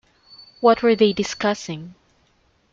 What were they discussing?